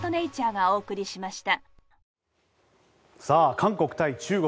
韓国対中国。